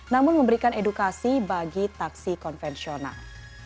namun memberikan edukasi bagi taksi konvensional